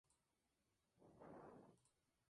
Más tarde, se estableció allí una comunidad benedictina.